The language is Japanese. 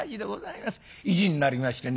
意地になりましてね